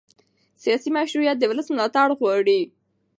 سیاسي مشروعیت د ولس ملاتړ غواړي